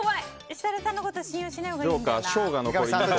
設楽さんのこと信用しないほうがいいんだよな。